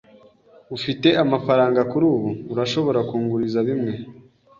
Ufite amafaranga kuri ubu? Urashobora kunguriza bimwe?